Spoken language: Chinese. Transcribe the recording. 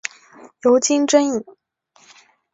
尤金真蚓。